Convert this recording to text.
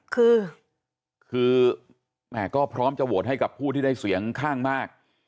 คือคือแม่ก็พร้อมจะโหวตให้กับผู้ที่ได้เสียงข้างมาก